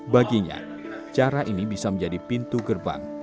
baginya cara ini bisa menjadi pintu gerbang